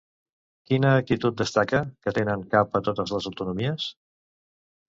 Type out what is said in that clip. Quina actitud destaca que tenen cap a totes les autonomies?